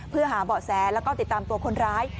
เพื่อหาเบาะแสแล้วก็ติดตามตัวคนร้าย